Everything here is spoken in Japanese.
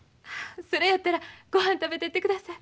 それやったらごはん食べてってください。